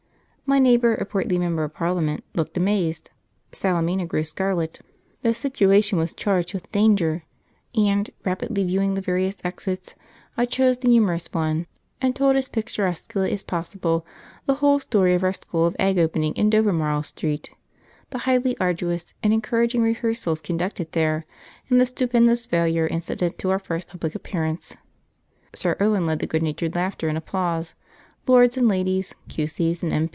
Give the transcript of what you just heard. My neighbour, a portly member of Parliament, looked amazed, Salemina grew scarlet, the situation was charged with danger; and, rapidly viewing the various exits, I chose the humorous one, and told as picturesquely as possible the whole story of our school of egg opening in Dovermarle Street, the highly arduous and encouraging rehearsals conducted there, and the stupendous failure incident to our first public appearance. Sir Owen led the good natured laughter and applause; lords and ladies, Q.C.'s and M.